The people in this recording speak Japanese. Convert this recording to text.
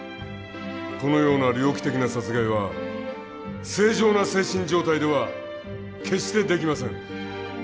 このような猟奇的な殺害は正常な精神状態では決してできません。